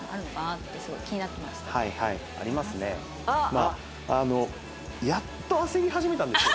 まあやっと焦り始めたんですよ。